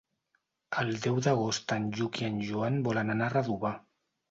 El deu d'agost en Lluc i en Joan volen anar a Redovà.